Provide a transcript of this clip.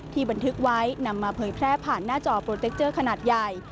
บันทึกไว้นำมาเผยแพร่ผ่านหน้าจอโปรเจคเจอร์ขนาดใหญ่